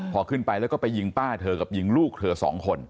พอขึ้นไปแล้วก็ไปยิงป้าเธอกับยิงลูกเธอสองคน